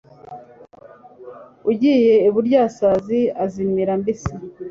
ugiye iburyasazi azirya mbisi